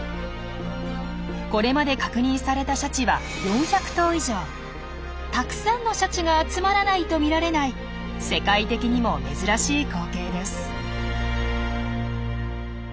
これまで確認されたシャチはたくさんのシャチが集まらないと見られない世界的にも珍しい光景です。